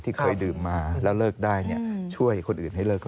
เคยดื่มมาแล้วเลิกได้ช่วยคนอื่นให้เลิก